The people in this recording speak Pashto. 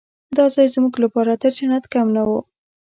دا ځای زموږ لپاره تر جنت کم نه و.